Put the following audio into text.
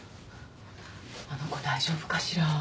あの子大丈夫かしら？